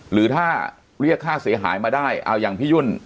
หรือถ้าเรียกค่าเสียหายมาได้เอาอย่างพี่ยุ่น